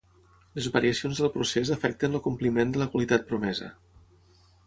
Les variacions del procés afecten el compliment de la qualitat promesa.